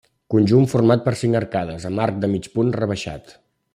Conjunt format per cinc arcades, amb arc de mig punt rebaixat.